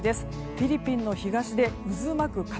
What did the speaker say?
フィリピンの東で渦巻く塊